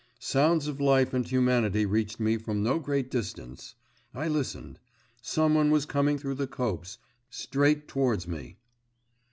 Sounds of life and humanity reached me from no great distance. I listened.… Some one was coming through the copse … straight towards me.